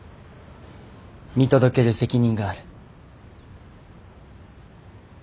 見届ける責任がある。